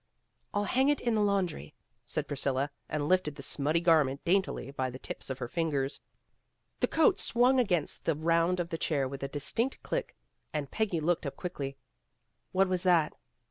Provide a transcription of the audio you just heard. "I'll hang it in the laundry," said Priscilla, and lifted the smutty garment daintily by the tips of her fingers. The coat swung against the round of the chair with a distinct clink, and Peggy looked up quickly. "What was that?"